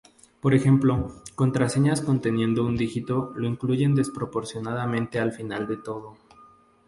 Por ejemplo contraseñas conteniendo un dígito lo incluyen desproporcionadamente al final de todo.